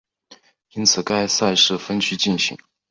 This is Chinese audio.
因此该赛事分区进行。